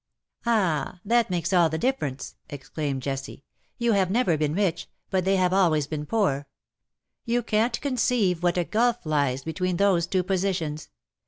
^'^' Ahj that makes all the difference V exclaimed Jessie. " You have never been rich, but they have always been poor. You can^t conceive what a gulf lies between those two positions.